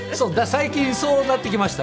最近そうなってきましたね。